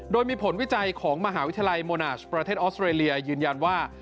โดยมีผลวิจัยของมหาวิทยาลัยโมนาชประเทศออสเตรเลียยืนยันว่า